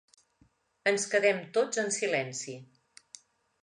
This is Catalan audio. Ens quedem tots en silenci.